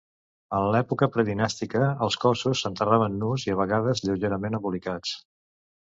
En l'època predinàstica els cossos s'enterraven nus i, a vegades, lleugerament embolicats.